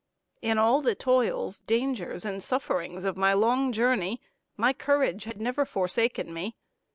In all the toils, dangers, and sufferings of my long journey, my courage had never forsaken me.